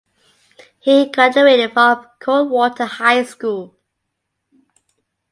He graduated from Coldwater High School.